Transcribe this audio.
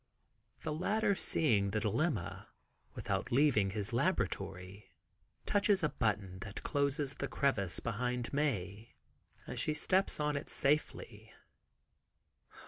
The latter seeing the dilemma, without leaving his laboratory, touches a button, that closes the crevasse behind Mae, as she steps on it safely.